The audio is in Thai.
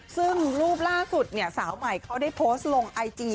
ซึ่งรูปล่าสุดเนี่ยสาวใหม่เขาได้โพสต์ลงไอจี